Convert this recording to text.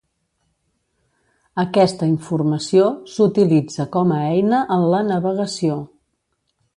Aquesta informació s'utilitza com a eina en la navegació.